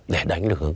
để đánh được